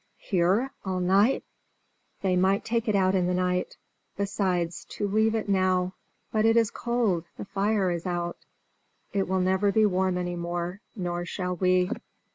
"Here! all night!" "They might take it in the night. Besides, to leave it now." "But it is cold! the fire is out." "It will never be warm any more, nor shall we."